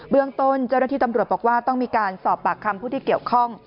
เรื่องต้นเจ้าหน้าที่ตำรวจบอกว่าต้องมีการสอบปากคำผู้ที่เกี่ยวข้อง